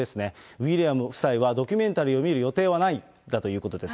ウィリアム夫妻はドキュメンタリーを見る予定はないということです。